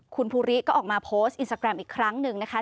คุณภูริก็ออกมาโพสต์อินสตาแกรมอีกครั้งหนึ่งนะคะ